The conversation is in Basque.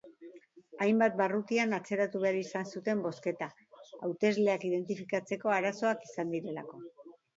Hainbat barrutitan atzeratu behar izan zuten bozketa, hautesleak identifikatzeko arazoak izan direlako.